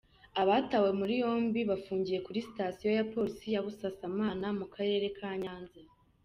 Abatawe muri yombi bafungiye kuri sitasiyo ya Polisi ya Busasamana mu karere ka Nyanza.